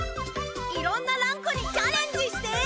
いろんなランクにチャレンジして。